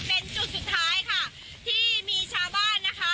เป็นจุดสุดท้ายค่ะที่มีชาวบ้านนะคะ